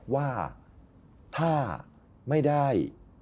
ว่าถ้าไม่ได้